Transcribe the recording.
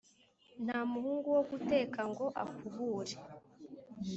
Nta muhungu wo guteka ngo akubure.